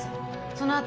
そのあと